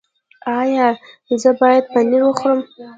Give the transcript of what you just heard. ایا زه باید پنیر وخورم؟